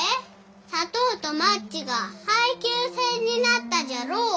砂糖とマッチが配給制になったじゃろお。